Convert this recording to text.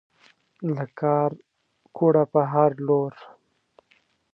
له کارکوړه پر هر لور